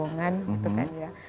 nah terima kasih